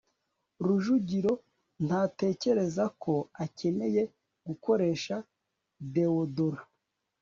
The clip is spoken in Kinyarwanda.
rujugiro ntatekereza ko akeneye gukoresha deodorant